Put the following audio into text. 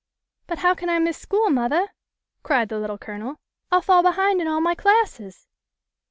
" But how can I miss school, mothah ?" cried the Little Colonel. " I'll fall behind in all my classes."